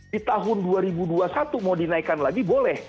di tahun dua ribu dua puluh satu mau dinaikkan lagi boleh